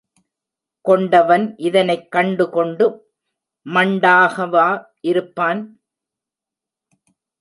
கொண்டவன் இதனைக் கண்டுகொண்டு மண்டாகவா இருப்பான்?